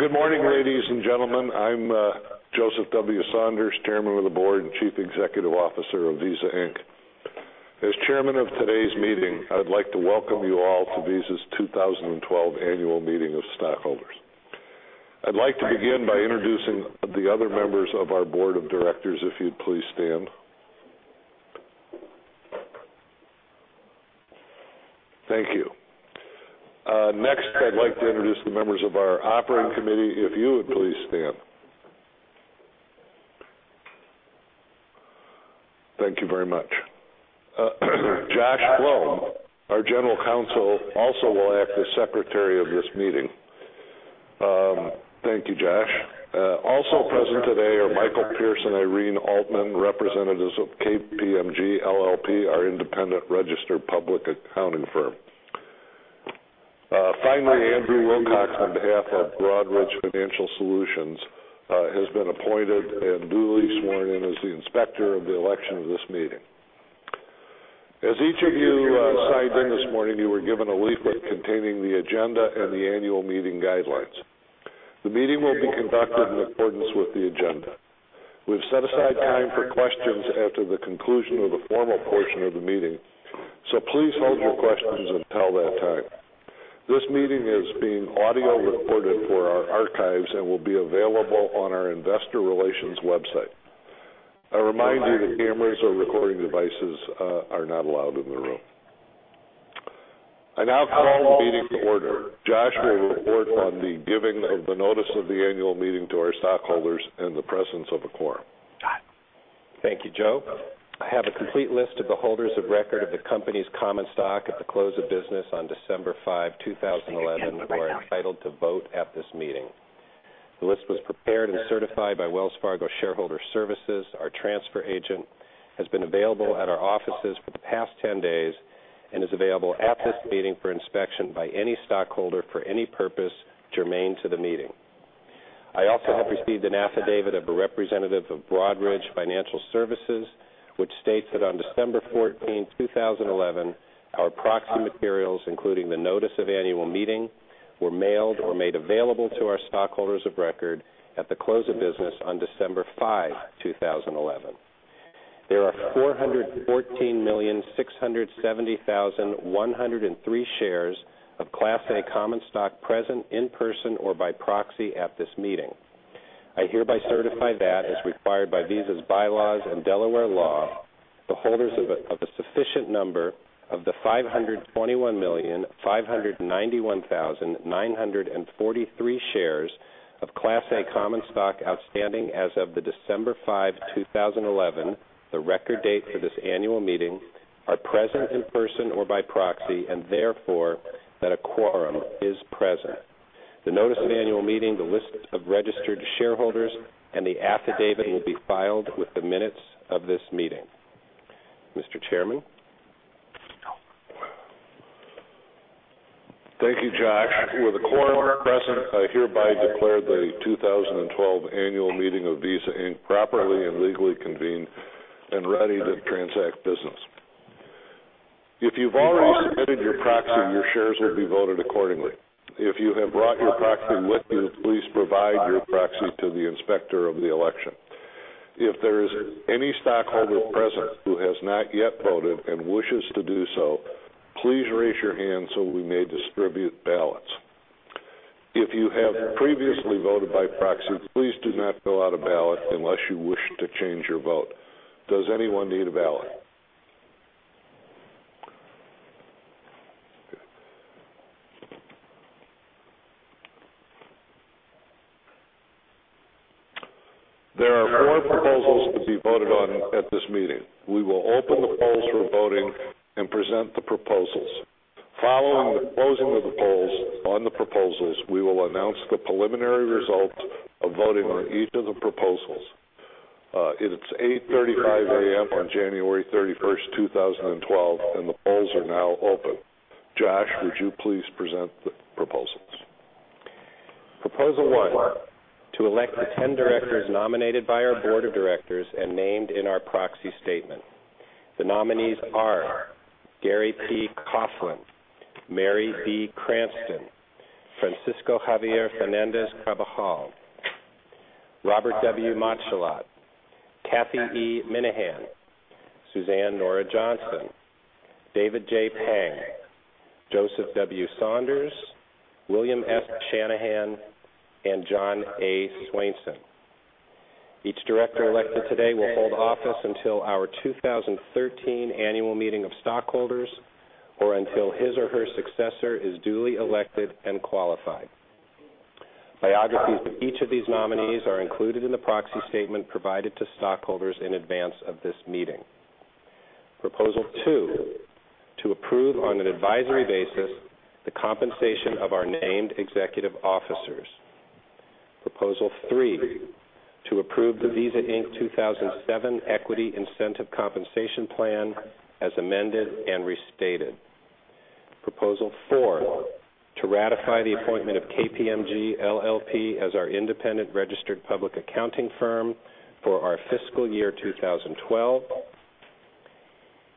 Good morning, ladies and gentlemen. I'm Joseph W. Saunders, Chairman of the Board and Chief Executive Officer of Visa Inc. As Chairman of today's meeting, I would like to welcome you all to Visa's 2012 Annual Meeting of Stakeholders. I'd like to begin by introducing the other members of our Board of Directors, if you'd please stand. Thank you. Next, I'd like to introduce the members of our Operating Committee, if you would please stand. Thank you very much. Josh Floum, our General Counsel, also will act as secretary of this meeting. Thank you, Josh. Also present today are Michael Pierce and Irene Altman, representatives of KPMG LLP, our independent registered public accounting firm. Finally, Andrew Wilcox, on behalf of Broadridge Financial Solutions, has been appointed and duly sworn in as the Inspector of Election of this meeting. As each of you signed in this morning, you were given a leaflet containing the agenda and the annual meeting guidelines. The meeting will be conducted in accordance with the agenda. We've set aside time for questions after the conclusion of the formal portion of the meeting, so please hold your questions until that time. This meeting is being audio recorded for our archives and will be available on our Investor Relations website. I remind you that cameras or recording devices are not allowed in the room. I now command the meeting to order. Josh, may we report on the giving of the notice of the annual meeting to our stockholders and the presence of a quorum? Thank you, Joe. I have a complete list of the holders of record of the company's common stock at the close of business on December 5, 2011, who are entitled to vote at this meeting. The list was prepared and certified by Wells Fargo shareholder services. Our transfer agent has been available at our offices for the past 10 days and is available at this meeting for inspection by any stockholder for any purpose germane to the meeting. I also have received an affidavit of a representative of Broadridge Financial Solutions, which states that on December 14, 2011, our proxy materials, including the notice of annual meeting, were mailed or made available to our stockholders of record at the close of business on December 5, 2011. There are 414,670,103 shares of Class A common stock present in person or by proxy at this meeting. I hereby certify that, as required by Visa's bylaws and Delaware law, the holders of a sufficient number of the 521,591,943 shares of Class A common stock outstanding as of December 5, 2011, the record date for this annual meeting, are present in person or by proxy, and therefore that a quorum is present. The notice of annual meeting, the list of registered shareholders, and the affidavit will be filed with the minutes of this meeting. Mr. Chairman? Thank you, Josh. With a quorum present, I hereby declare the 2012 Annual Meeting of Visa Inc. properly and legally convened and ready to transact business. If you've already submitted your proxy, your shares will be voted accordingly. If you have brought your proxy with you, please provide your proxy to the Inspector of Election. If there is any stockholder present who has not yet voted and wishes to do so, please raise your hand so we may distribute ballots. If you have previously voted by proxy, please do not fill out a ballot unless you wish to change your vote. Does anyone need a ballot? There are four proposals to be voted on at this meeting. We will open the polls for voting and present the proposals. Following the closing of the polls on the proposals, we will announce the preliminary results of voting on each of the proposals. It's 8:35 A.M. on January 31st, 2012, and the polls are now open. Josh, would you please present the proposals? Proposal one. To elect the 10 directors nominated by our Board of Directors and named in our proxy statement. The nominees are Gary P. Coughlan, Mary V. Cranston, Francisco Javier Fernandez-Carbajal, Robert W. Matschullat, Cathy E. Minehan, Suzanne Nora Johnson, David J. Pang, Joseph W. Saunders, William S. Shanahan, and John A. Swainson. Each director elected today will hold office until our 2013 Annual Meeting of Stockholders or until his or her successor is duly elected and qualified. Biographies of each of these nominees are included in the proxy statement provided to stockholders in advance of this meeting. Proposal two. To approve on an advisory basis the compensation of our named executive officers. Proposal three. To approve the Visa Inc. 2007 Equity Incentive Compensation Plan as amended and restated. Proposal four. To ratify the appointment of KPMG LLP as our independent registered public accounting firm for our fiscal year 2012.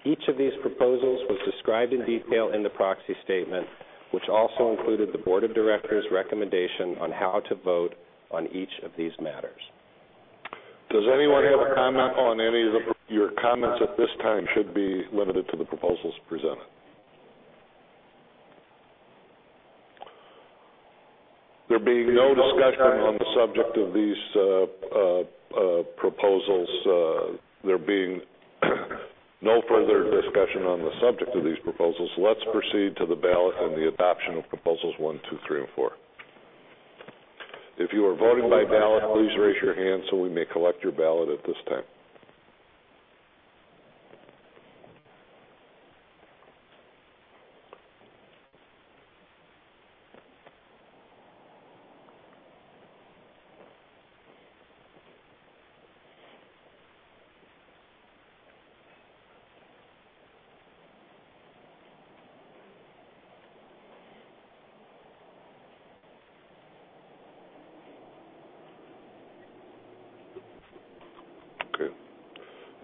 Each of these proposals was described in detail in the proxy statement, which also included the Board of Directors' recommendation on how to vote on each of these matters. Does anyone have a comment on any of your comments at this time? Should be limited to the proposals presented. There being no discussion on the subject of these proposals, there being no further discussion on the subject of these proposals, let's proceed to the ballot and the adoption of proposals one, two, three, and four. If you are voting by ballot, please raise your hand so we may collect your ballot at this time.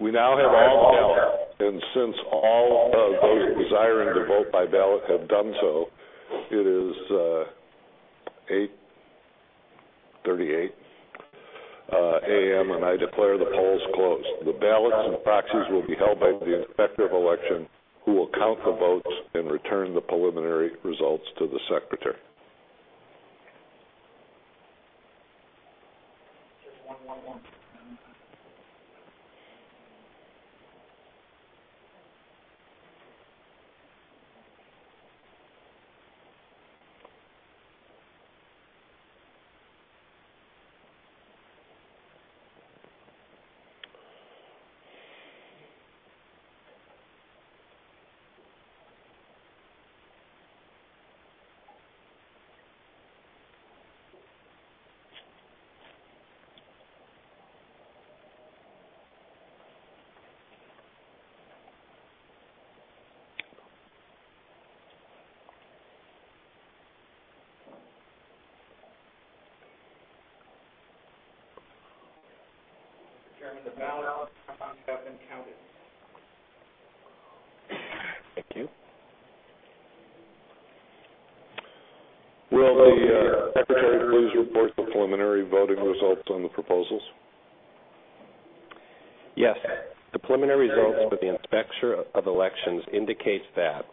We now have all the ballots. Since all those desiring to vote by ballot have done so, it is 8:38 A.M. and I declare the polls closed. The ballots and proxies will be held by the Inspector of Election, who will count the votes and return the preliminary results to the secretary. Have been counted. Thank you. Secretary, please report the preliminary voting results on the proposals. Yes. The preliminary results for the Inspector of Election indicate that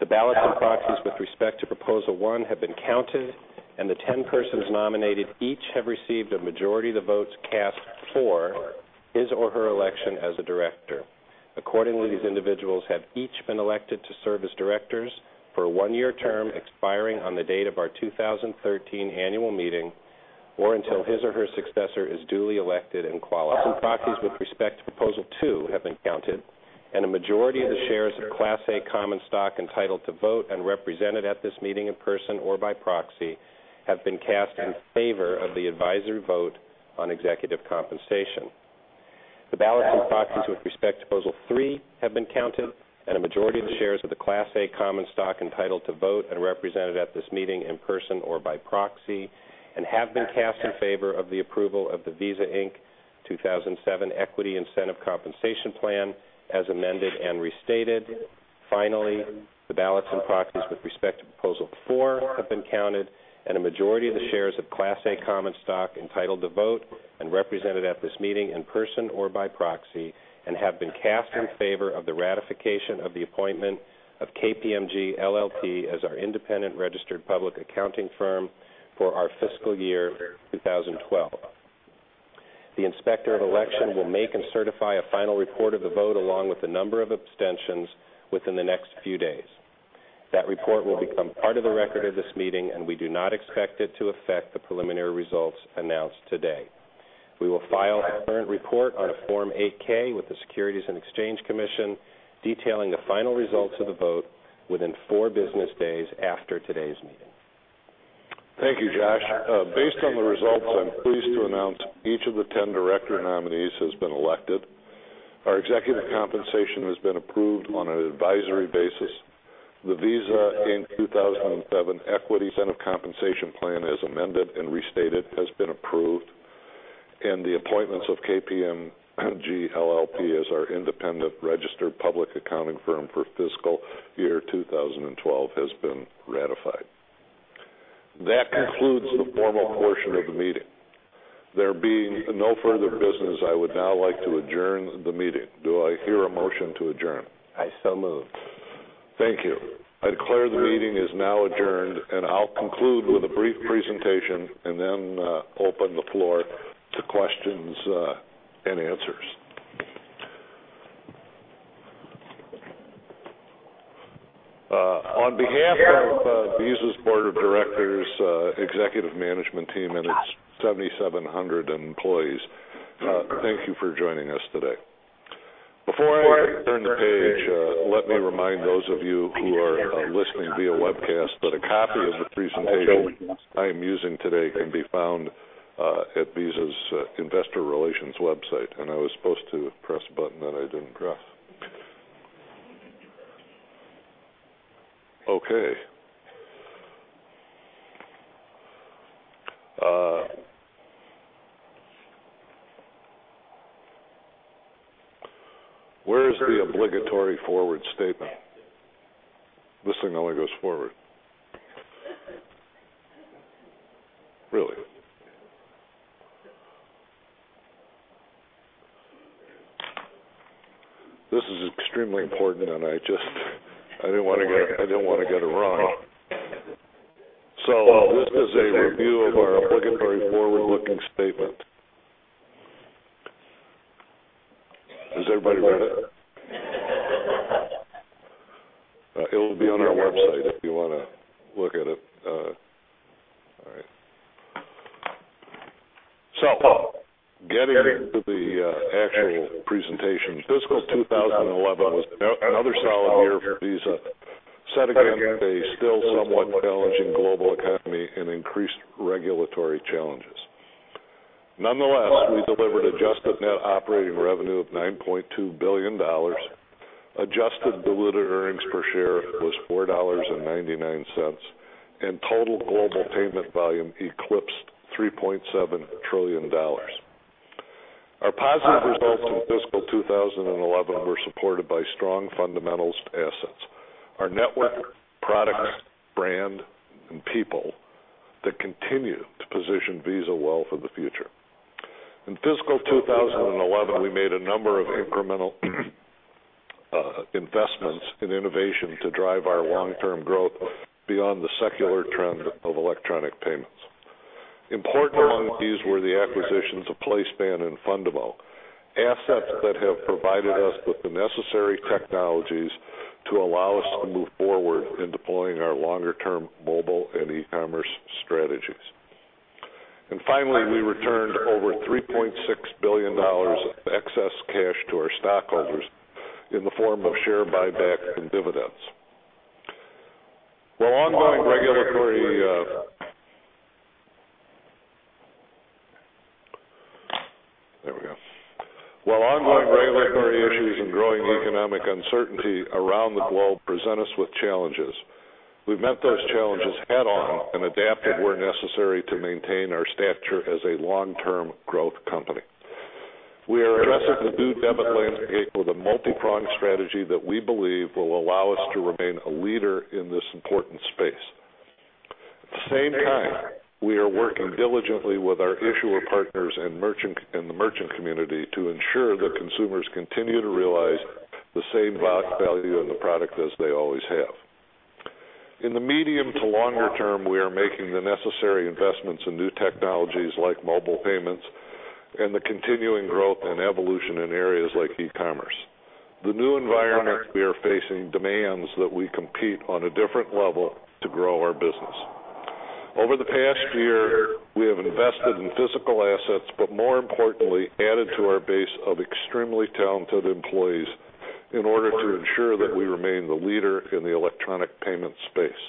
the ballots and proxies with respect to proposal one have been counted, and the 10 persons nominated each have received a majority of the votes cast for his or her election as a director. Accordingly, these individuals have each been elected to serve as directors for a one-year term expiring on the date of our 2013 Annual Meeting or until his or her successor is duly elected and qualified. Proxies with respect to proposal two have been counted, and a majority of the shares of Class A common stock entitled to vote and represented at this meeting in person or by proxy have been cast in favor of the advisory vote on executive compensation. The ballots and proxies with respect to proposal three have been counted, and a majority of the shares of the Class A common stock entitled to vote and represented at this meeting in person or by proxy have been cast in favor of the approval of the Visa Inc. 2007 Equity Incentive Compensation Plan as amended and restated. Finally, the ballots and proxies with respect to proposal four have been counted, and a majority of the shares of Class A common stock entitled to vote and represented at this meeting in person or by proxy have been cast in favor of the ratification of the appointment of KPMG LLP as our independent registered public accounting firm for our fiscal year 2012. The Inspector of Election will make and certify a final report of the vote along with the number of abstentions within the next few days. That report will become part of the record of this meeting, and we do not expect it to affect the preliminary results announced today. We will file a current report on a Form 8-K with the Securities and Exchange Commission detailing the final results of the vote within four business days after today's meeting. Thank you, Josh. Based on the results, I'm pleased to announce each of the 10 director nominees has been elected. Our executive compensation has been approved on an advisory basis. The Visa Inc. 2007 Equity Incentive Compensation Plan, as amended and restated, has been approved, and the appointments of KPMG LLP as our independent registered public accounting firm for fiscal year 2012 have been ratified. That concludes the formal portion of the meeting. There being no further business, I would now like to adjourn the meeting. Do I hear a motion to adjourn? I so move. Thank you. I declare the meeting is now adjourned, and I'll conclude with a brief presentation and then open the floor to questions and answers. On behalf of Visa's Board of Directors, Executive Management Team, and its 7,700 employees, thank you for joining us today. Before I turn the page, let me remind those of you who are listening via webcast that a copy of the presentation I am using today can be found at Visa's Investor Relations website, and I was supposed to press a button that I didn't press. Okay. Where's the obligatory forward statement? This thing only goes forward. Really? This is extremely important, and I just, I didn't want to get it wrong. This is a review of our obligatory forward-looking statement. Has everybody read it? It will be on our website if you want to look at it. All right. Getting to the actual presentation, fiscal 2011 was another solid year for Visa, set against a still somewhat challenging global economy and increased regulatory challenges. Nonetheless, we delivered adjusted net operating revenue of $9.2 billion. Adjusted diluted earnings per share was $4.99, and total global payment volume eclipsed $3.7 trillion. Our positive results in fiscal 2011 were supported by strong fundamentals: assets, our network, products, brand, and people that continue to position Visa well for the future. In fiscal 2011, we made a number of incremental investments in innovation to drive our long-term growth beyond the secular trend of electronic payments. Important among these were the acquisitions of PlaySpan and Fundamo, assets that have provided us with the necessary technologies to allow us to move forward in deploying our longer-term mobile and e-commerce strategies. Finally, we returned over $3.6 billion of excess cash to our stockholders in the form of share buyback and dividends. While ongoing regulatory issues and growing economic uncertainty around the globe present us with challenges, we've met those challenges head-on and adapted where necessary to maintain our stature as a long-term growth company. We are invested in the due debt landscape with a multi-prong strategy that we believe will allow us to remain a leader in this important space. At the same time, we are working diligently with our issuer partners and the merchant community to ensure that consumers continue to realize the same value in the product as they always have. In the medium to longer term, we are making the necessary investments in new technologies like mobile payments and the continuing growth and evolution in areas like e-commerce. The new environment we are facing demands that we compete on a different level to grow our business. Over the past year, we have invested in physical assets, but more importantly, added to our base of extremely talented employees in order to ensure that we remain the leader in the electronic payment space.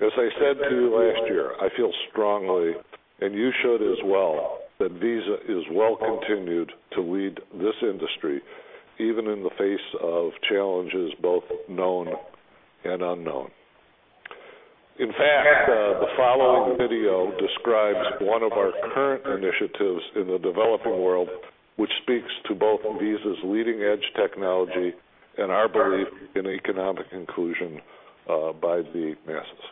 As I said to you last year, I feel strongly, and you should as well, that Visa is well-positioned to lead this industry, even in the face of challenges both known and unknown. In fact, the following video describes one of our current initiatives in the developing world, which speaks to both Visa's leading-edge technology and our belief in economic inclusion by the masses.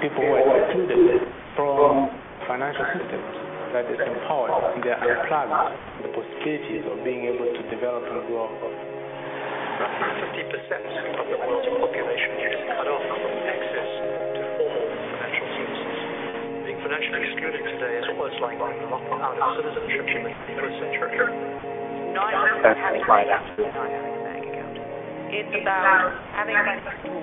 People who are excluded from financial systems that disempower their employment, the possibilities of being able to develop and grow above. About 70% of the world's population is cut off from access to all financial services. Being financially excluded today is almost like being locked out [of position of the 21st century era]. Not having a card app, not having a bank account. It's about having [the tools] that work.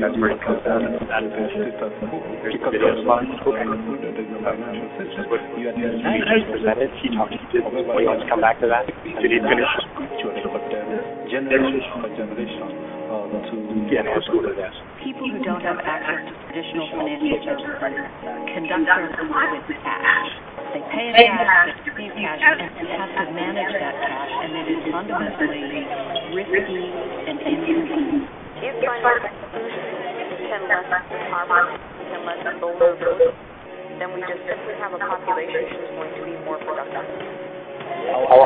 [That's very important. The systems that are designed for people who don't have access to those systems]. I'd like to come back to that. It's a good choice for the generation of the tools to get people to that. People who don't have access to traditional financial services conduct their lives with cash. They pay the cash, pay the cash, and have to manage that cash, and it is fundamentally risky and inconvenient. [If they can let go of those then] we have a population who is going to be more productive. Our.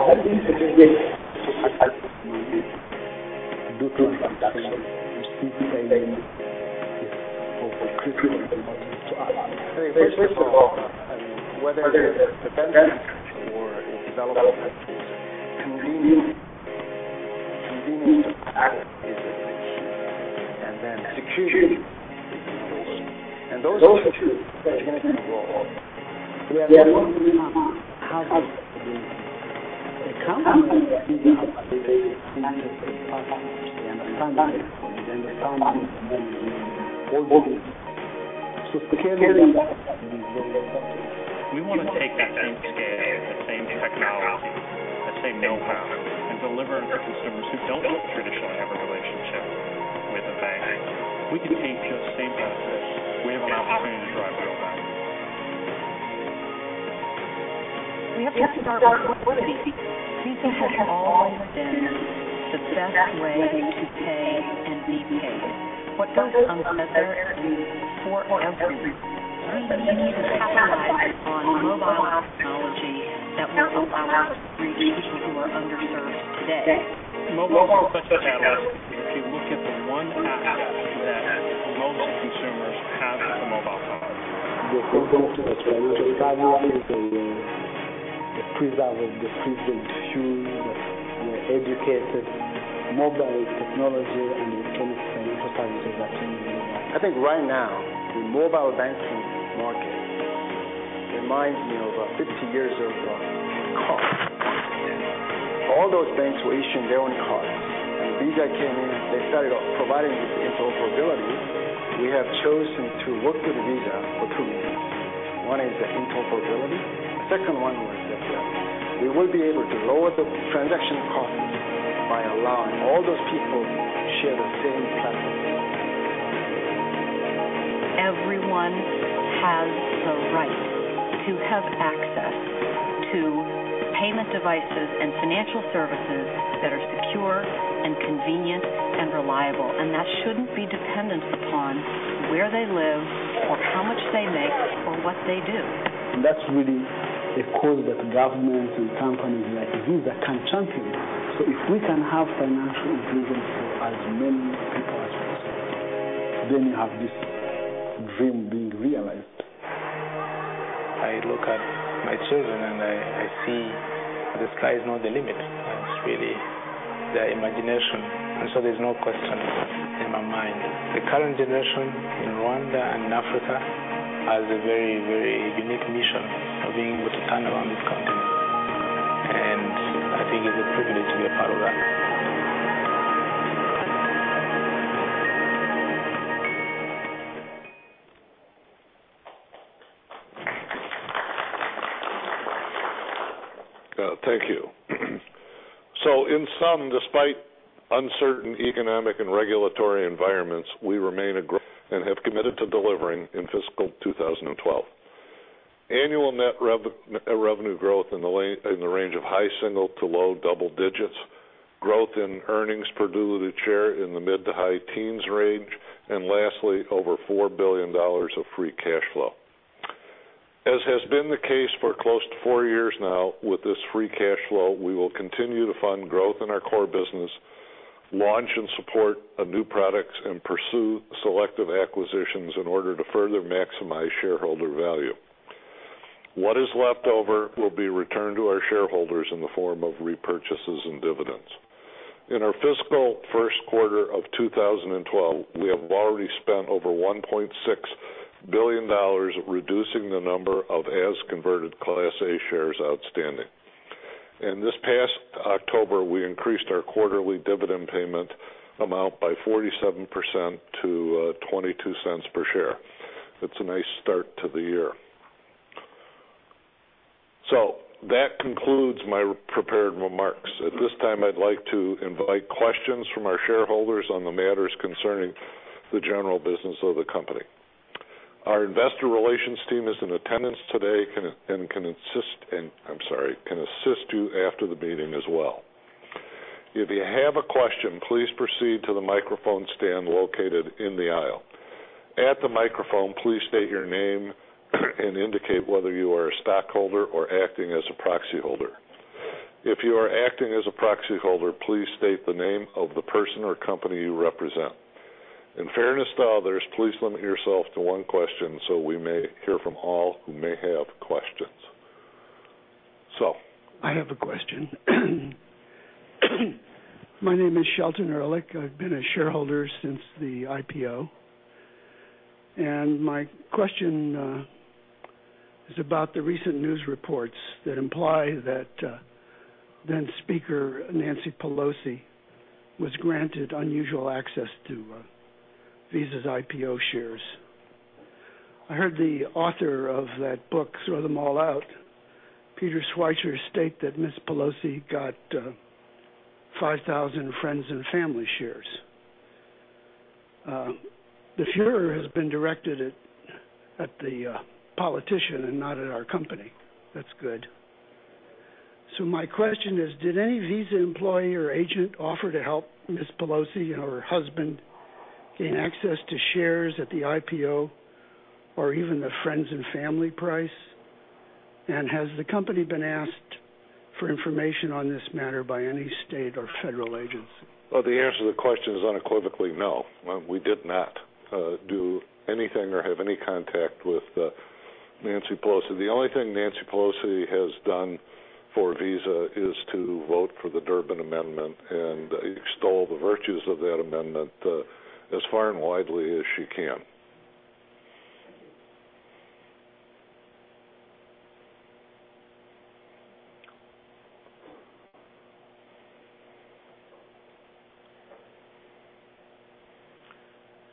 Thank you. In sum, despite uncertain economic and regulatory environments, we remain a growth and have committed to delivering in fiscal 2012. Annual net revenue growth in the range of high single to low double digits, growth in earnings per diluted share in the mid to high teens range, and lastly, over $4 billion of free cash flow. As has been the case for close to four years now, with this free cash flow, we will continue to fund growth in our core business, launch and support new products, and pursue selective acquisitions in order to further maximize shareholder value. What is left over will be returned to our shareholders in the form of repurchases and dividends. In our fiscal first quarter of 2012, we have already spent over $1.6 billion reducing the number of as-converted Class A shares outstanding. This past October, we increased our quarterly dividend payment amount by 47% to $0.22 per share. It's a nice start to the year. That concludes my prepared remarks. At this time, I'd like to invite questions from our shareholders on the matters concerning the general business of the company. Our Investor Relations team is in attendance today and can assist you after the meeting as well. If you have a question, please proceed to the microphone stand located in the aisle. At the microphone, please state your name and indicate whether you are a stockholder or acting as a proxy holder. If you are acting as a proxy holder, please state the name of the person or company you represent. In fairness to others, please limit yourself to one question so we may hear from all who may have questions. I have a question. My name is Shelton Ehrlich. I've been a shareholder since the IPO. My question is about the recent news reports that imply that then speaker Nancy Pelosi was granted unusual access to Visa's IPO shares. I heard the author of that book, Throw Them All Out, Peter Schweitzer, state that Ms. Pelosi got 5,000 friends and family shares. The furor has been directed at the politician and not at our company. That's good. My question is, did any Visa employee or agent offer to help Ms. Pelosi and her husband gain access to shares at the IPO or even the friends and family price? Has the company been asked for information on this matter by any state or federal agency? The answer to the question is unequivocally no. We did not do anything or have any contact with Nancy Pelosi. The only thing Nancy Pelosi has done for Visa is to vote for the Durbin Amendment and extol the virtues of that amendment as far and widely as she can.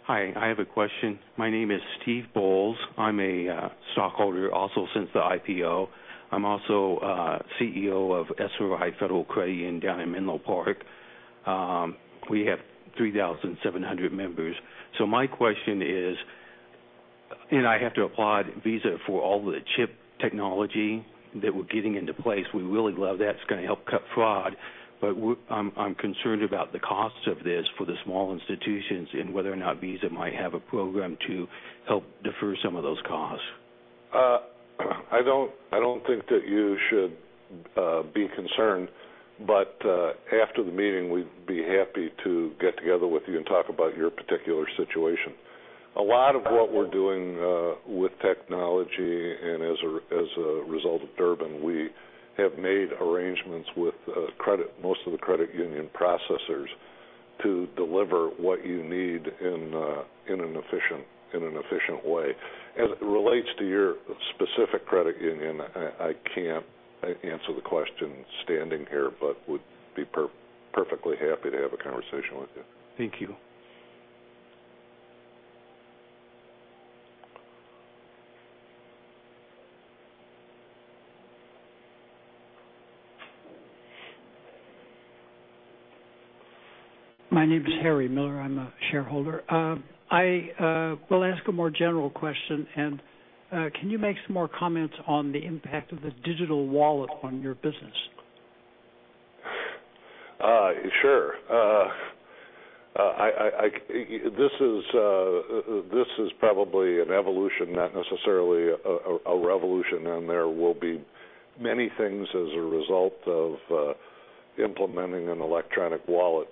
Hi, I have a question. My name is Steve Bowles. I'm a stockholder also since the IPO. I'm also CEO of SRI Federal Credit Union down in Menlo Park. We have 3,700 members. My question is, and I have to applaud Visa for all the chip technology that we're getting into place. We really love that. It's going to help cut fraud. I'm concerned about the costs of this for the small institutions and whether or not Visa might have a program to help defer some of those costs. I don't think that you should be concerned, but after the meeting, we'd be happy to get together with you and talk about your particular situation. A lot of what we're doing with technology and as a result of Durbin, we have made arrangements with most of the credit union processors to deliver what you need in an efficient way. As it relates to your specific credit union, I can't answer the question standing here, but would be perfectly happy to have a conversation with you. Thank you. My name is Harry Miller. I'm a shareholder. I will ask a more general question, and can you make some more comments on the impact of the digital wallet on your business? This is probably an evolution, not necessarily a revolution, and there will be many things as a result of implementing an electronic wallet.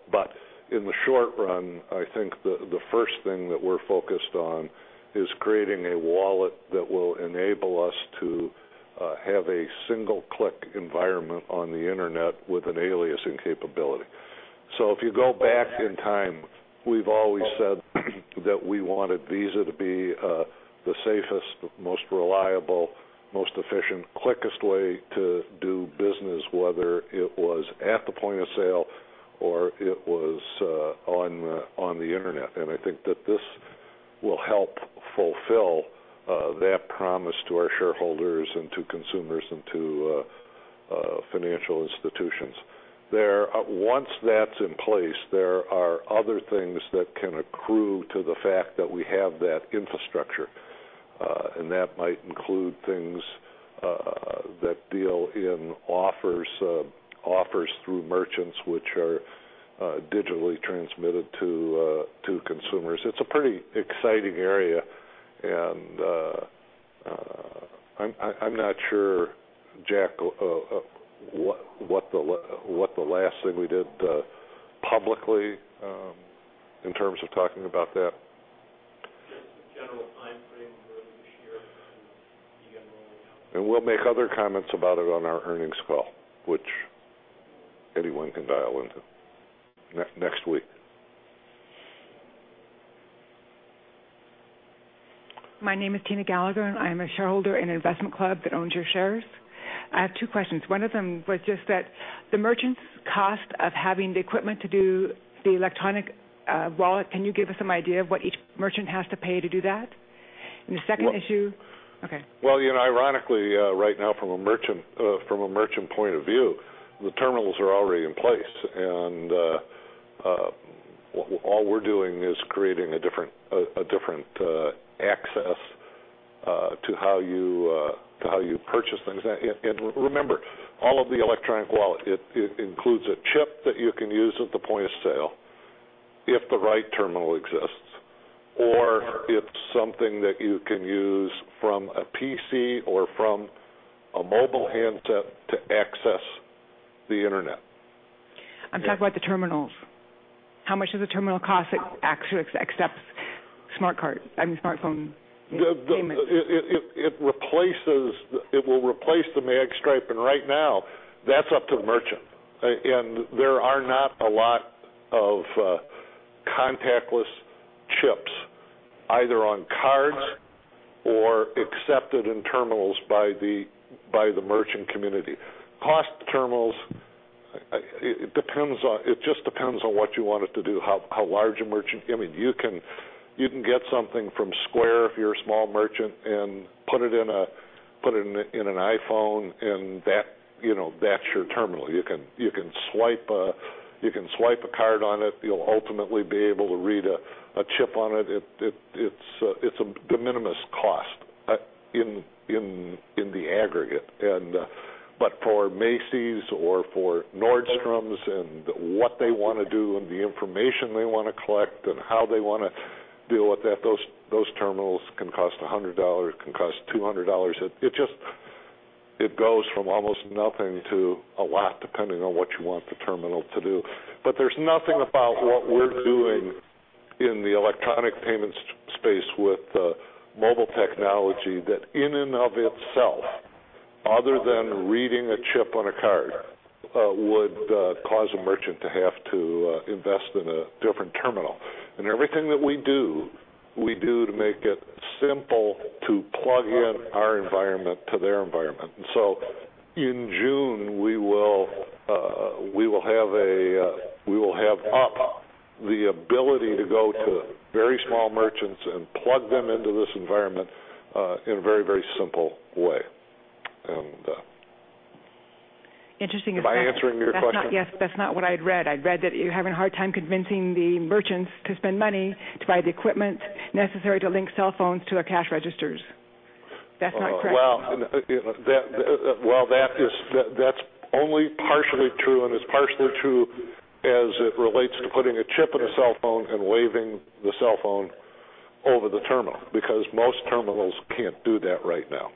In the short run, I think the first thing that we're focused on is creating a wallet that will enable us to have a single-click environment on the internet with an aliasing capability. If you go back in time, we've always said that we wanted Visa to be the safest, most reliable, most efficient, quickest way to do business, whether it was at the point of sale or it was on the internet. I think that this will help fulfill that promise to our shareholders and to consumers and to financial institutions. Once that's in place, there are other things that can accrue to the fact that we have that infrastructure. That might include things that deal in offers through merchants, which are digitally transmitted to consumers. It's a pretty exciting area. I'm not sure, Jack, what the last thing we did publicly in terms of talking about that. Just general timeframe for the year. We will make other comments about it on our earnings call, which anyone can dial into next week. My name is Tina Gallagher, and I'm a shareholder in an investment club that owns your shares. I have two questions. One of them was just that the merchants' cost of having the equipment to do the electronic wallet, can you give us an idea of what each merchant has to pay to do that? The second issue, okay. Ironically, right now, from a merchant point of view, the terminals are already in place. All we're doing is creating a different access to how you purchase things. Remember, all of the electronic wallet, it includes a chip that you can use at the point of sale if the right terminal exists, or it's something that you can use from a PC or from a mobile handset to access the internet. I'm talking about the terminals. How much does the terminal costs [actually accepts] smart cards, I mean, smartphone payments? It will replace the magstripe, and right now, that's up to the merchant. There are not a lot of contactless chips, either on cards or accepted in terminals by the merchant community. Cost of terminals depends, it just depends on what you want it to do. How large a merchant, I mean, you can get something from Square if you're a small merchant and put it in an iPhone, and that, you know, that's your terminal. You can swipe a card on it. You'll ultimately be able to read a chip on it. It's a de minimis cost in the aggregate. For Macy's or for Nordstroms and what they want to do and the information they want to collect and how they want to deal with that, those terminals can cost $100, can cost $200. It just goes from almost nothing to a lot, depending on what you want the terminal to do. There's nothing about what we're doing in the electronic payments space with mobile technology that, in and of itself, other than reading a chip on a card, would cause a merchant to have to invest in a different terminal. Everything that we do, we do to make it simple to plug in our environment to their environment. In June, we will have up the ability to go to very small merchants and plug them into this environment in a very, very simple way. Interesting. By answering your question. Yes, that's not what I'd read. I'd read that you're having a hard time convincing the merchants to spend money to buy the equipment necessary to link cell phones to their cash registers. That's not correct. That is only partially true, and it's partially true as it relates to putting a chip in a cell phone and waving the cell phone over the terminal, because most terminals can't do that right now.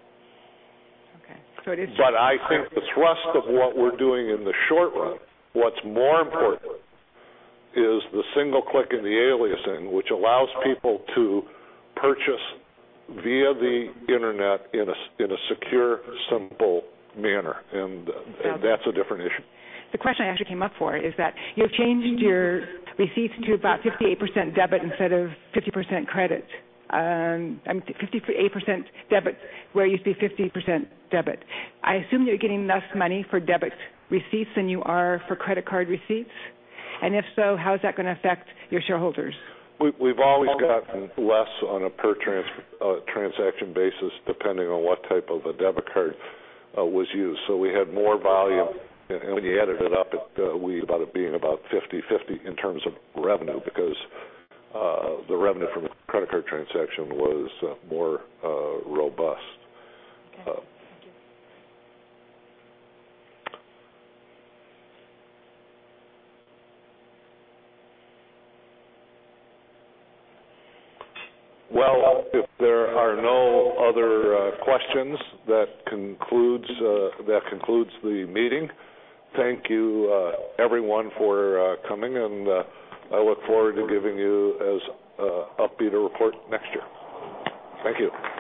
Okay. I think the thrust of what we're doing in the short run, what's more important, is the single-click and the aliasing, which allows people to purchase via the internet in a secure, simple manner. That's a different issue. The question I actually came up for is that you've changed your receipts to about 58% debit instead of 50% credit. I mean, 58% debit where you see 50% debit. I assume you're getting less money for debit receipts than you are for credit card receipts. If so, how's that going to affect your shareholders? We've always gotten less on a per transaction basis, depending on what type of a debit card was used. We had more volume, and when you added it up, we thought it being about 50/50 in terms of revenue because the revenue from the credit card transaction was more robust. If there are no other questions, that concludes the meeting. Thank you, everyone, for coming, and I look forward to giving you an updated report next year. Thank you.